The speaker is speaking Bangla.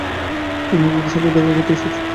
আমি একজনের সাথে দেখা করতে এসেছি।